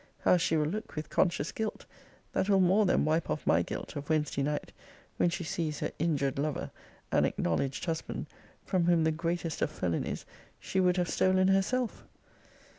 How she will look with conscious guilt, that will more than wipe off my guilt of Wednesday night, when she sees her injured lover, and acknowledged husband, from whom, the greatest of felonies, she would have stolen herself.